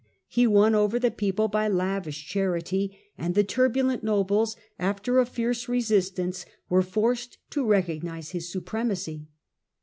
He won over the people by lavish charity, and the turbulent nobles, after a fierce resistance, were forced to recognize his supremacy.